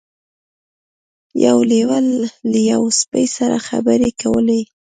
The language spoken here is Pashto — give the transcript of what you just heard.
یو لیوه له یوه سپي سره خبرې کولې.